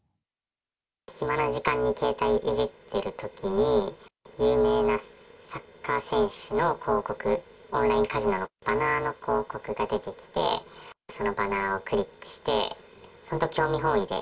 暇な時間に携帯いじってるときに、有名なサッカー選手の広告、オンラインカジノのバナーの広告が出てきて、そのバナーをクリックして、本当、興味本位で。